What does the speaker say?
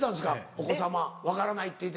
お子様分からないって言うて。